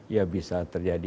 ya bisa terjadi